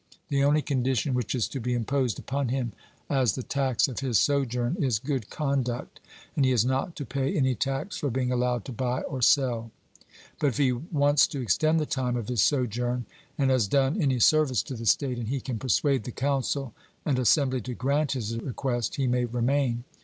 The only condition which is to be imposed upon him as the tax of his sojourn is good conduct; and he is not to pay any tax for being allowed to buy or sell. But if he wants to extend the time of his sojourn, and has done any service to the state, and he can persuade the council and assembly to grant his request, he may remain.